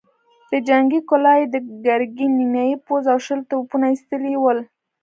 له جنګي کلا يې د ګرګين نيمايي پوځ او شل توپونه ايستلي ول.